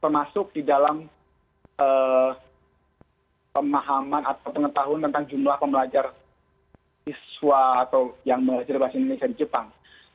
masuk di dalam pemahaman atau pengetahuan tentang jumlah pembelajar siswa atau yang belajar bahasa indonesia di jepang